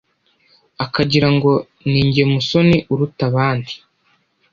akagira ngo ni jye musoni uruta abandi.